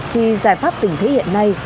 khi giải pháp tình thế hiện nay